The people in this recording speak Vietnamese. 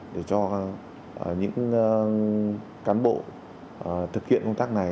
để cho những cán bộ thực hiện công tác này